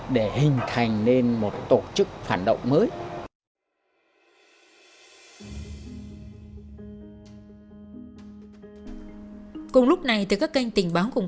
để hình thành nên một tổ chức phản động mới